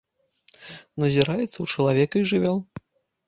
Назіраецца ў чалавека і жывёл.